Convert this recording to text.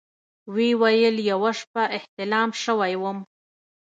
ويې ويل يوه شپه احتلام سوى وم.